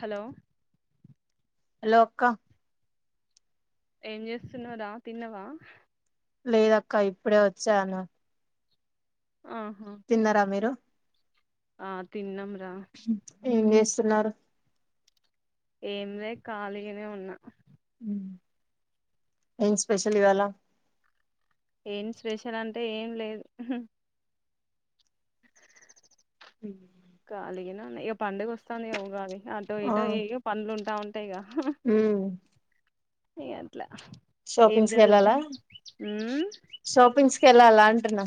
Hello hello అక్క ఏమ్ చేస్తున్నావురా తిన్నవా లేదక్క ఇప్పుడే వచ్చాను ఆహా తిన్నరా మీరు ఆ తిన్నం రా ఏమ్ చేస్తున్నారు ఏం లే కాలిగనే ఉన్నా ఉ ఏం స్పెషల్ ఇవాళ ఏం స్పెషల్ అంటే ఏం లేదు ఉహు కాలిగనే ఉన్న ఇగ పండగ వొస్తాంది గ ఉగాది అటో ఆ ఇటో ఏగో పండ్లు ఉంటా ఉంటాయిగా ఉమ్ ఇగ అట్ల షాపింగ్స్ కి వెళ్ళాలా ఉమ్ షాపింగ్స్ కి వెళ్ళాలా అంటున్నా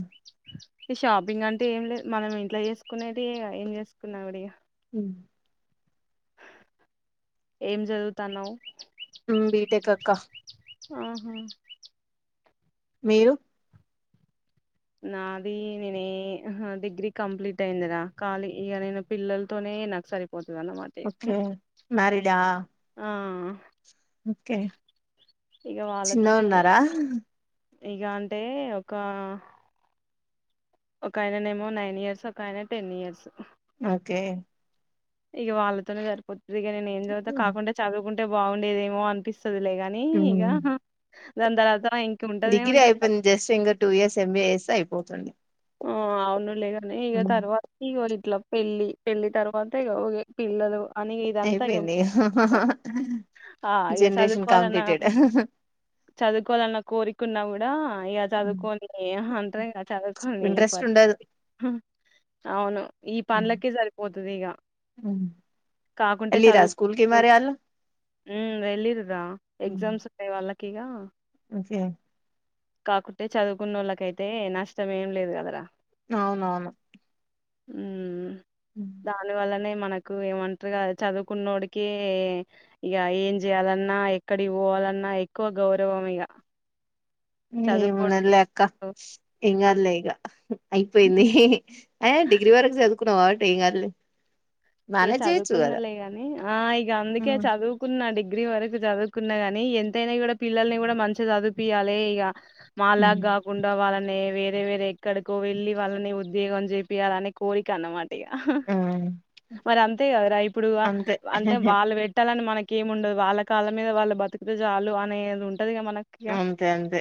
ఈ షాపింగ్ అంటు ఏం లేదు మనం ఇంట్లో చేసుకునేటియే గ ఏం చేసుకున్నా గుడా ఇగ ఏం జదువుతాన్నావ్ మ్ బీటెక్ అక్క ఆహా మీరు నాది నేనే ఆహా డిగ్రీ కంప్లీట్ అయిందిరా కాళీ ఇగ నేను పిల్లలతోనే ఏ నాక్ సరిపోతాది అనమాట ఇగ హు ఓకే మ్యారీడా ఆ ఓకే ఇగ చిన్నగా వాళ్ళతోనే ఇగ ఉన్నారా ఇగ అంటే ఒక ఒక అయిన నెమో నైన్ ఇయర్స్ ఒక ఆయిన టెన్ ఇయర్స్ ఓకే ఇగ వాళ్ళతోనే సరిపోతుంది ఇగ నేను ఏం చదువుతా ఉమ్ కాకుండా చదువుకుంటే బాగుండేదేమో అనిపిస్ చదులే గాని ఇగ దాన్ తర్త డిగ్రీ అయిపోయి జస్ట్ ఇంగ టూ ఇయర్స్ ఎంబీఏ చేస్తుంటే అయిపోతుండే ఆ అవునులె గాని ఇగ తర్వాత ఇగొ ఇట్ల పెళ్ళి పెళ్లి తర్వాత ఇగ ఒగే పిల్లలు అనిగి ఇదంతా అయిపోయింది [unintelligible] ఆ ఇగ జనరేషన్ చదుకోదనా ఆమ కంప్లీటెడ్ చదువుకోవాలన్న కోరిక ఉన్న గుడ్ డ ఇగ చదువుకొని ఆహా అంటర్ గదా చదువుకొని ఇంట్రెస్ట్ పరి ఉండదు అవును ఈ పన్లకే సరిపోతది ఇగ కాకుంటే ఎల్లిరా చదువు స్కూల్ కి మరి [unintelligible] ఆళ్ళు మ్ వెళ్ళిరు రా ఎక్సామ్స్ ఉన్నయ్ వాళ్ళకి ఇగ సేమ్ కాకుంటే చదువుకున్నోళ్ళకైతే నష్టం ఏం లేదు కదరా అవునవును మ్ దాని వల్లనే మనకు ఏమంట్ర గ చదువుకున్నోడికె ఇగ ఏం జెయాలన్నా ఎక్కడి పోవ లన్నా ఎక్కువ గౌరవం ఇగ చదువుకోడు ఏమున్నదిలే అక్క ఎం గద్లే ఇగ అయిపోయింది ఏ డిగ్రీ వరకు చదువుకున్న కాబట్టి ఏం గాద్లే ఇగ చదుకున్నళ్ళే గాని ఆ ఇగ అందుకే చదువుకున్నా డిగ్ గ్రీ వరకు చదువుకున్న గాని ఎంతైనా గుడా పిల్లల్ని కూడా మంచిగా చదువుపియాలె ఇగ మా లాగ గాకుండా వాళ్ళని వేరే వేరే ఎక్కడికో వెళ్లి వాళ్ళని ఉద్యోగం చేపియాలనే కోరిక అన్నమాట ఆహా ఆ మరి అంతే కదరా ఇప్పుడు ఆ అంతే అంటే వాళ్ళు వెట్టాలని మనక్ కేమి ఉండదు వాళ్ళ కాళ్ళ మీద వాళ్ళ బతికితే చాలు అనేది ఉంట్ టదిగా మనకు ఇగ అంతే అంతే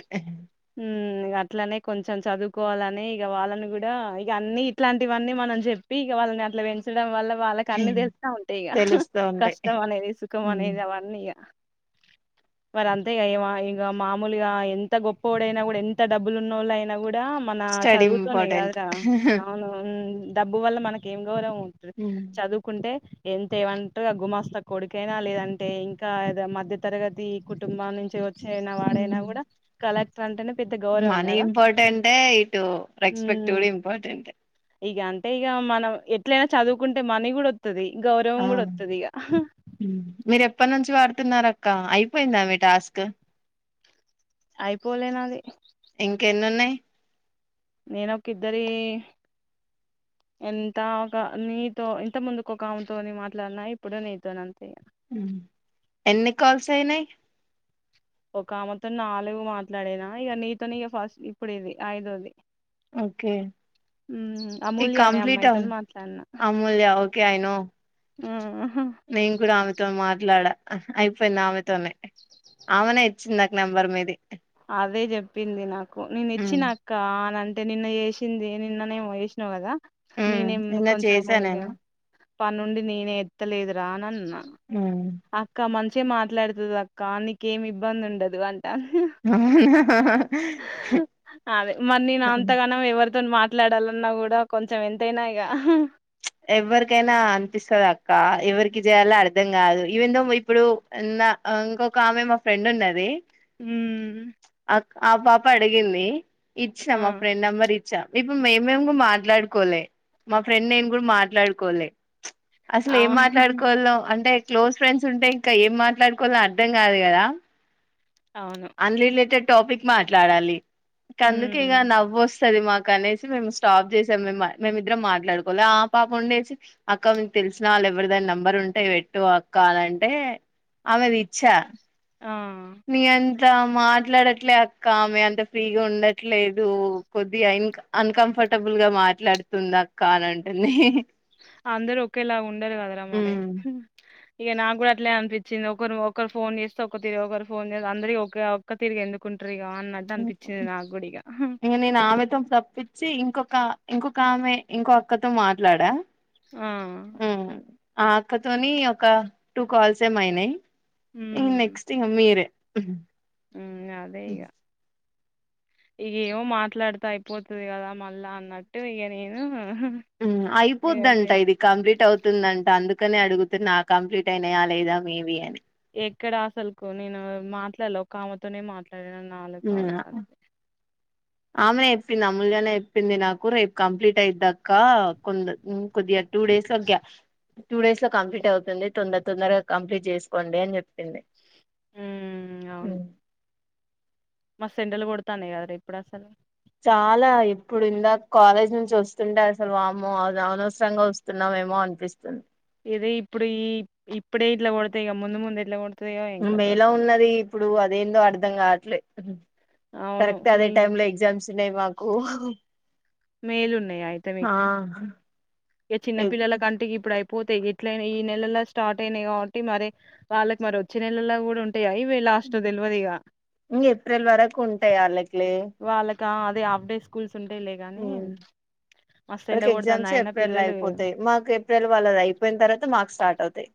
ఊ మ్ ఇగ అట్లనే కొంచెం చదువుకోవాలని ఇగ వాళ్ళని గుడా ఇక అన్ని ఇట్లాంటివన్నీ మనం జెప్పి ఇగ వాళ్ళని అట్లా పెంచు డం వల్ల వాళ్ళకి అన్ని తెలుత్త ఉంటాయి ఇగా హా తెలుస్తా ఉంటాయి కష్టం అనేది సుఖం అనేది అవన్నీ ఇగ మరి అంతే గ ఇగ మా ఇంగ మామూలుగా ఎంత గొప్ప వొడైన గుడా ఎంత డబ్బులు ఉన్న వొళ్ళ అయినా గుడా మన స్టడీ చదువుతోనే గద్ ఇంపార్టెంట్ రా అవునవును మ్ డబ్బు వల్ల మనకు ఏం గౌరం చదువుకుంటే ఎంతేమంటారు గుమాస్త కొడుకైనా లేదంటే ఇంకా ఏదో మధ్య తరగతి ఈ కుటుంబం నుంచి చైనా వాడైనా కూడా కలెక్టర్ అంటేనే పెద్ద గౌరవం మాని గదా ఇంపార్టెంటే ఇటు రెస్పెక్ట్ హ్మ్. కూడా ఇంపార్టెంటె ఇగ అంటే ఇగ మనం ఎట్లయినా చదువుకుంటే మనీ కూడా ఒత్తది గౌరవం కూడా అవును ఒతదిగా చ్ వాడుతున్నారు అక్క అయిపోయిందా మీ టాస్క్ అయిపోలేనాది ఇంకెన్ని ఉన్నాయి నేనొక్కిద్దరి ఎంత ఒక నీతో ఇంత ముందుకు ఒక అమెతోని మాట్లాడిన ఇప్పుడు నితోన్ అంతే ఇగ ఎన్ని కాల్స్ అయిన్నాయి ఒక ఆమెతోన్ నాలుగు మాట్లాడినా ఇగ నీతోని ఇగ ఫస్ట్ ఇప్పుడు ఇది ఐదోది ఓకే హ్మ్. ఈ అమూల్య అనే కంప్లీటా అమ్మాయితోని మాట్లాడిన. అమ్మూల్యా ఓకే అయినో ఆఅ నేను కూడా ఆమెతోన్ మాట్లాడా అయిపోయింది ఆమెతోనే ఆమెనే ఇచ్చింది నక్ నెంబర్ మీది అవే చెప్పింది నాకు నేను ఉమ్ ఇచ్చినాక్క అన్నన్ టే నిన్న చేసింది నిన్ననేమో చేసినవ్ కదా ఉమ్ నేనేం నిన్న కొంచెం చేసా ఇగ నేను పనుండి నేనే ఎత్తలేదురా అన్ అన్నా ఉమ్ అక్క మంచి గా మాట్లాడుతది అక్క నీకేమి ఇబ్బంది ఉండదు అం అవునా అదే మరి నేను అంతగానం ఎవ తోన్ మాట్లాడాలన్నా కూడా కొంచెం ఎంతైనా ఇగ ఎవరికైనా అనిపిస్తది అక్క ఎవరికి చేయాలో అర్థం కాదు ఈవెందో ఇప్పుడు అ ఇంకొక ఆమె మా ఫ్రెండ్ ఉన్నది ఉమ్మ్ ఆ పాప అడిగింది ఇచ్చినా ఆ మా ఫ్రెండ్ నెంబర్ ఇ చ ఇప్పు మేమేం కూడా మాట్లాడుకోలే మా ఫ్రెండ్ నేను కూడా మాట్లాడుకోలే అసలు ఏం అవు మాట్లాడుకోల్నో అంటే క్లోజ్ ఫ్రెండ్స్ ఉంటే ఇంకా ఏం మాట్లాడుకోవాలో అర్థం కాదు కదా అవును అన్ లిలేటెడ్ టాపిక్ మాట్లాడాలి కందుకే ఇగ ఉమ్ నవ్వోస్ సరే మాకు అనేసి మేము స్టాప్ చేసాం మేం మేమిద్దరం మాట్లాడుకోలె ఆ పాప ఉండేసి అక్క తెలిసిన వాళ్ళు ఎవరిదైనా నెంబర్ ఉంటే పెట్టు అక్క అని అంటే ఆమెది ఇచ్చా ఆ నీ అంత మాట్లాడట్లే అక్క ఆమె అంత ఫ్రీగా ఉండట్లేదు కొద్దిగా ఇన్ అన్కంఫర్ట్ కంఫర్టబుల్ గా మాట్లాడుతుంది అక్క అని అంటుంది అందరుూ ఒకేలా ఉండరు కదరా మరి ఇగ నాకు కూడా అట్లే అనిపించింది ఒకరు ఒకరు ఫోన్ చేస్తే ఒక తిరి ఒకరు ఫోన్ అందరిక ఒక ఒక్క తిరిగి ఎందుకుంటారు ఇగ అన్నట్టు అనిపించింది నాకు కూడా ఇగ ఇగ నేను ఆమెతో తప్పించి ఇంకొక ఇంకొక ఆమె ఇంకోఅక్కతో మాట్లాడా ఆ ఉమ్ ఆ అక్కతోని ఒక టూ కాల్స్ ఏమోయినాయి ఇ ఉమ్ నెక్స్ట్ మీరే ఉమ్ అదే ఇగ ఇగా ఏమో మాట్లాడుత అయిపోతది కదా మళ్ళా అన్నట్టు ఇగ నేను హ్మ్ ఇగ అయిపోదంట ఇది కంప్లీట్ అవుతుందంట అందుకు క్కనే అడుగుతున్న కంప్లీట్ అయినాయా లేదా మీవి అని ఎక్కడ అసలుకు నేను మాట్లాడ ఒక ఆమెతోనే మాట్లా ఉ ఆమెనే చెప్పింది అమూల్యనే చెప్ ప్పింది నాకు రేపు కంప్లీట్ అయిదక్క కొ కొద్దిగా టూ డేస్ గ్యా టూ డేస్ లో కంప్లీట్ అవుతుంది తొందర తొందరగా కంప్లీట్ చేసుకోండి అని చెప్పింది ఉమ్ మ సెండలు కొడతానే కదర ఇప్పుడు అసలు చాలా ఇప్పుడు ఇందా కాలేజ్ నుంచి వస్తుంటే అసలు వాము అనవసరంగా వస్తున్నాం ఏమో అనిపిస్తుంది ఇదే ఇప్పుడు ఈ ఇప్పుడే ఇట్లా కొడతా ఇక ముందు ముందు ఏట్లా కొడతా మేలో ఉన్నది ఇప్పుడు అదేందో అర్ధం కావట్లే అవును కరెక్ట్ అదే ఫుల్ టైములో ఎగ్జామ్స్ ఉన్నాయి మాకు మే లో ఉన్నాయా అయితే ఆ మీకు ఏ చిన్న పిల్లలా కంటికి ఇప్పు ఇప్పుడు అయిపోతేయి ఎట్ల ఈ నెల స్టార్ట్ అయినాయి కాబట్టి మరి వాళ్ళకి మరి వచ్చ నెల కూడా ఉం ఇవే లాస్ట్ తెలువదిగా ఇంగ ఏప్రిల్ వరకు ఉంటాయి ఆళ్ళకి లే వాళ్ళకా అదే హాఫ్ డే స్కూల్స్ ఉంటాయిలే గాని మస్తు ఎండ వాళ్ళకి కొడతాంది ఎగ్జామ్స్ అయినా ఏప్రిల్ పిల్లలు అయిపోతాయి మాకు ఏప్రిల్ వాళ్ళ అయిపోయిన తర్వాత మాకు స్టార్ట్ అవుతాయి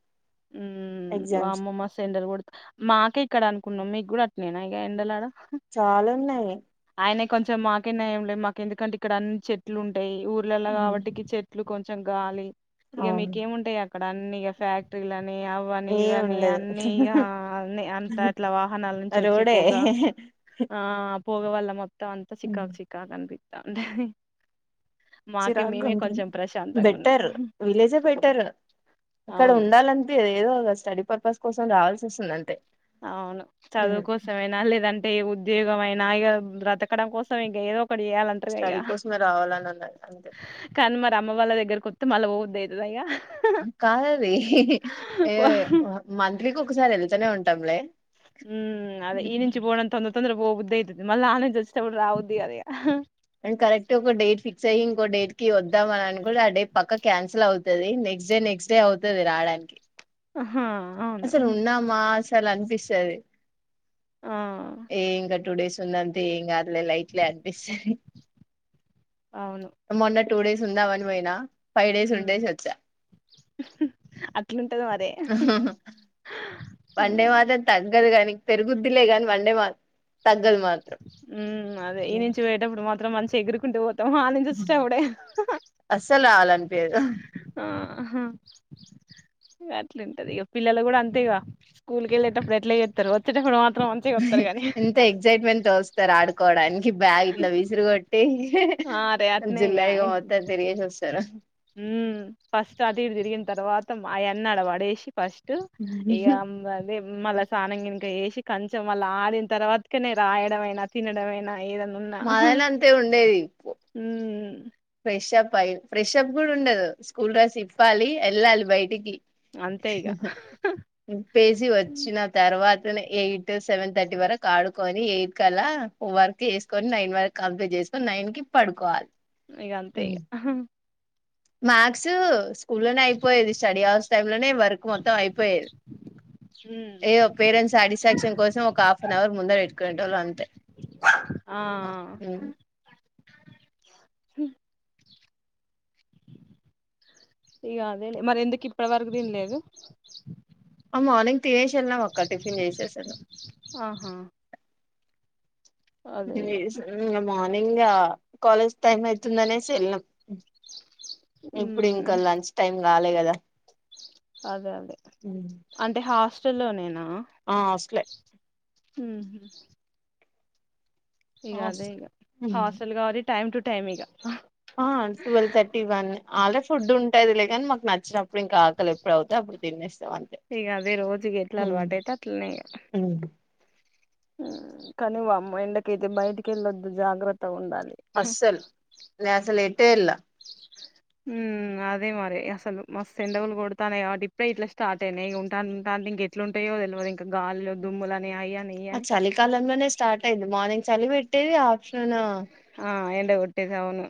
ఎగ్జామ్స్ వామ్మో మస్త్ ఎండలు కొడు మాకే ఇక్కడ అనుకున్నాం మీకు కూడా నేనా ఎండలాడ చాలన్నాయి అయినా కొంచెం మాకేనయం లే మాకు ఎందుకంటే ఇక్కడ అన్ని చెట్లు ఉంటాయి ఊర్లలా కాబట్టికి చెట్లు కొంచెం కొంచం గాలి ఇక మీక అవును ఏమింటాయి అక్కడ అన్ని ఇక ఫ్యాక్టరీలున్న అవని ఏం ఇవని ఉండదు అన్ని ఇగ అన్ని అంత ఇట్లా వాహనాల నుంచి వచ్చే రోడే పోగా ఆ పోగవల్ల మొత్తం అంత సిక్కాగ సిక్కాగ అనిపిస్త ఉంటది మాకే చిరాగగా మేమే ఉంటుంది కొంచెం ప్రశాంతంగా ఉన్నాం బెటర్ విలేజ్ బెటర్ ఇక్కడ అవును ఉండా ఏదో ఒక స్టడీ పర్పస్ కోసం రావాల్సి వస్తుందంతే అవును చదువు కోసమేనా లేదంటే ఉద్ ఉద్యోగమైన ఇగ బ్రతకడం కోసం ఇంక ఏదోక్ ఒకటి చేయాలంటారు ఇగ స్టడీ కోసమే రావాలని ఉన్నది అంతే కానీ మరి అమ్మ వాళ్ళ దగ్గర కొతే మళ్ళ [unintelligible] కాదది ఏ మంత్లీ ఒకసారి వెళ్తనే ఉంటాంలే ఉమ్ అదే ఈ నుంచి బోడం తోన్ తొంద్ర పోద్దే అయితుది మళ్ళీ అనుచ్చి తప్పుడు రాబుది కాదు ఇగా నేన్ కరెక్ట్గా ఒక డేట్ ఫిక్స్ అయ్యి ఇంకో డేట్ వద్దాం అని అను కూడా ఆ డేట్ పక్క క్యాన్సల్ అవుతది next next day next day అవుతది రావడానికి ఆహా అవును అసలు ఉన్నామా అసలు అనిపిస్తది ఆ ఏం గట్ టూ డేస్ ఉందంతి ఎం కాదులే లైట్ అనిపిస్తంది అవును మొన్న టూ డేస్ ఉందాం అని పోయిన ఫైవ్ డేస్ ఉండేసి వోచ ఉమ్ హు అట్లుంటే ఉమ్ హు వండే ఉమ్ మాత్రం తగ్గదు కానీ పెరుగుద్దిలే గానీ వండే మాత్ ఉమ్ అదే ఈ నుంచి పోయేటప్పుడు మాత్రం మంచిగా ఎగురుకుంటూ పోతాం అటునుంచి వచ్చేటప్పుడే ఎదో అహా అట్లుంటది ఇక పిల్లలు కూడా అంతే ఇక స్కూల్ కేళ్ళేటప్పుడు అట్లా చేతారు వచ్చేటప్పుడు మాత్ర్ ఎంత ఎక్సైట్మెంట్ తో వస్తారు ఆడుకోడానికి బ్యాగ్ ఇట్లా విసిరుగొట్టి ఆ రే అట్నే ఇగ జులై గా పోతారు తిరిగేసి ఒస్తరు ఉమ్ ఫస్ట్ అటు ఇటు తిరిన తర్వాత అవ్విని అన్నాడ పడేసి ఫస్ట్ ఇక అదే మళ్ళా సన్నంగినిక చెస్ కంచెం వాళ్ళ ఆడిన తర్వాతకనే రాయడంమైనా తినడంమైనా ఏదన్నా ఉన్న మాదైనా ఫ్రెషప్ అయి ఫ్రెషప్ కూడా ఉండదు స్కూల్ డ్రస్ ఇప్పాలి వెళ్ళాలి బయటికి అంతే ఇగ హా హా విప్పేసి వచ్చిన తర్వాత్ ఎయిట్ సెవెన్ థర్టీ వరకు ఆడుకొని ఎయిట్ కలా వర్క్ చేసుకొని నైన్ వరకు కంప్లీట్ చేస్త్ సో నైన్కి పడుకోవాలి ఇగ అంతే ఇగ మ్యాథ్స్ స్కూ లోనే అయిపోయేది స్టడీ హౌర్స్ టై లోనే వర్క్ మొత్తం అయిపోయేది ఉమ్ ఏదో పేరెంట్స్ సాటిస్ఫాక్షన్ కోసం ఒక హాఫ్ అన్ అవర్ ముందర పెట్టుకునేటోల్లం అంతే ఆ ఇగ అదేలే మరి ఎందుకు ఇప్పటి వరకు తిన్నాలేదు ఆ మార్నింగ్ తినేసి వెళ్ళాం అక్క టిఫిన్ చేసేసాను ఆహా అదే టిఫిన్ ఇగ చేసారు ఉమ్ ఇంగ మార్నింగ్ నింగా కాలేజ్ టైమ్ అయితుందనేసి వెళ్ళాం ఇప్పుడు ఇంకా ఉమ్ లంచ్ టైం కాలే కదా అదే అదే అంటే హాస్టల్లో నేనా ఆ ఆస్టలే ఉహూ ఇగ అదే హాస్టల్ కాబట్టి టైమ్ టు టైమ్ ఇగ ఆ twelve thirty one already food ఉంటది లే కనీ మాకు నచ్చినప్పుడు ఇంకా ఆకలి ఎప్పుడుఅవ్వుతే అప్పుడు తినేస్త ఇగ అదే రోజుకి ఎట్ల అలవాటు అయితే అట్లనే ఇంగ కానీ వామ్మా ఎండకైతే బయటికెళ్ళొద్దు జాగ్రత్తగా ఉండాలి అస్సలు నే అసలు ఎటేల ఉమ్ అదే మరి అసలు మస్తు ఎండగలు కొడతాన్నయి ఇప్పుడే ఇట్ల స్టార్ట్ అయినయి ఉంటాంటా ఇంక ఎట్లుంటాయో తెలువదు ఇంక గాలులు దుమ్లు అని ఇయి ఆ అని చలికాలంలోనే స్టార్ట్ అయింది మార్నింగ్ చలి పెట్టేది ఆఫ్టర్నూన్ ఆ ఎండ కొట్టేది అవును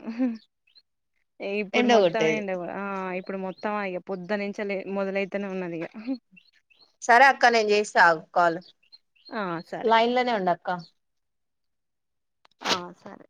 ఇప్పుడు మొత్తమే ఎండగొట్టేది ఎండకు ఆ ఆ ఇప్పుడు మొత్తమ ఇగ పొద్ద నుంచి లే మొదలైతనే ఉన్నది ఇగ సరే అక్క నేను చేస్తా ఆగు కాల్ ఆ సరే లైన్ లోనే ఉండక్క ఆ సరే